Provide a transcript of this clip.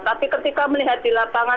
tapi ketika melihat di lapangan